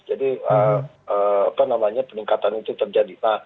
jadi peningkatan itu terjadi